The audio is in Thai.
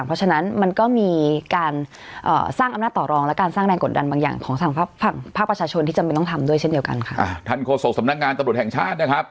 ภาคประชาชนที่จำเป็นต้องทำด้วยเช่นเดียวกันค่ะอ่าท่านโฆษกสำนักงานตรวจแห่งชาตินะครับ